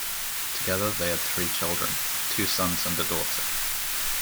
Together they had three children: two sons and a daughter.